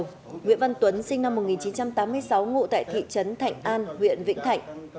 nguyễn văn tuấn sinh năm một nghìn chín trăm tám mươi sáu ngụ tại thị trấn thạnh an huyện vĩnh thạnh